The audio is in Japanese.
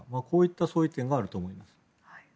こういった相違点があると思います。